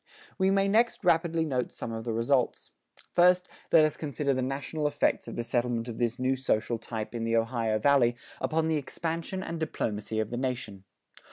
We may next rapidly note some of the results. First, let us consider the national effects of the settlement of this new social type in the Ohio Valley upon the expansion and diplomacy of the nation.